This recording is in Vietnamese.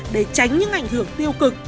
để tránh những ảnh hưởng tiêu cực